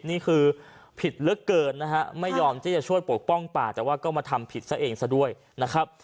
นี่คือผิดเหลือเกินนะฮะไม่ยอมที่จะช่วยปกป้องป่าแต่ว่าก็มาทำผิดซะเองซะด้วยนะครับ